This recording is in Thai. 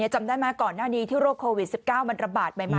จำได้ไหมก่อนหน้านี้ที่โรคโควิด๑๙มันระบาดใหม่